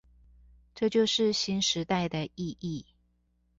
這就是新時代的意義